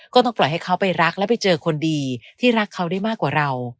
ก็ต้องปล่อยให้เขาไปรักแล้วไปเจอคนดีที่รักเขาได้มากกว่าเรา